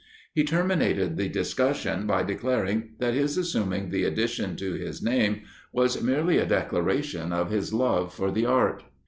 He terminated the discussion by declaring that his assuming the addition to his name was merely a declaration of his love for the art.